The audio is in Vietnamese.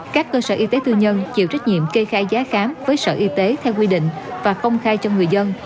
các cơ sở y tế tư nhân chịu trách nhiệm kê khai giá khám với sở y tế theo quy định và công khai cho người dân